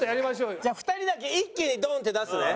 じゃあ２人だけ一気にドン！って出すね。